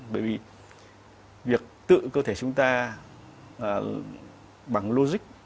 bởi vì việc tự cơ thể chúng ta bằng logic